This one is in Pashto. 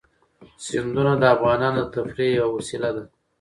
سیندونه د افغانانو د تفریح یوه وسیله ده.